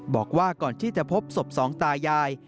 บอกว่าก่อนที่จะพบศพสองตายาย